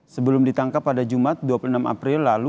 sebelum ditangkap pada jumat dua puluh enam april lalu